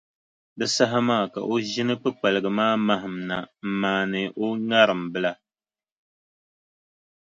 Di saha maa ka o ʒini kpukpaliga maa mahim na m-maani o ŋariŋ bila.